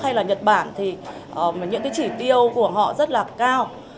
hay là nhật bản thì những cái chỉ tiêu của họ rất là cao